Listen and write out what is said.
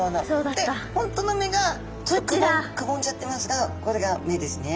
で本当の目がちょっとくぼんじゃってますがこれが目ですね。